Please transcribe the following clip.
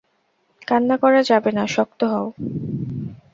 কান্না করা যাবে না, শক্ত হও।